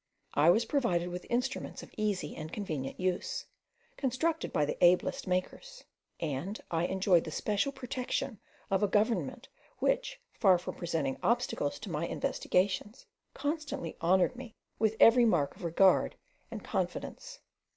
I was provided with instruments of easy and convenient use, constructed by the ablest makers, and I enjoyed the special protection of a government which, far from presenting obstacles to my investigations, constantly honoured me with every mark of regard and confidence.